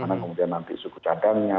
bagaimana kemudian nanti suku cadangnya